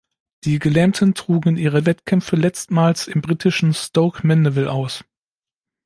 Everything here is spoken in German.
Die Gelähmten trugen ihre Wettkämpfe letztmals im britischen Stoke Mandeville aus.